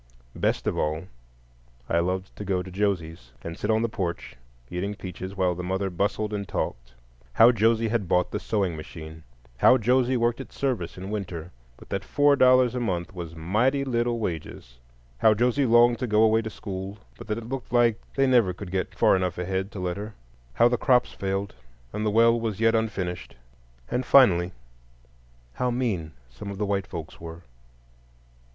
Best of all I loved to go to Josie's, and sit on the porch, eating peaches, while the mother bustled and talked: how Josie had bought the sewing machine; how Josie worked at service in winter, but that four dollars a month was "mighty little" wages; how Josie longed to go away to school, but that it "looked like" they never could get far enough ahead to let her; how the crops failed and the well was yet unfinished; and, finally, how "mean" some of the white folks were.